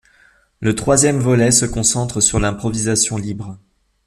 Le troisième volet se concentre sur l'improvisation libre.